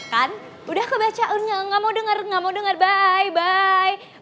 kan udah aku baca enggak mau denger enggak mau denger bye bye